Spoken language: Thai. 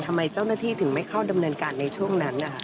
ทำไมเจ้าหน้าที่ถึงไม่เข้าดำเนินการในช่วงนั้น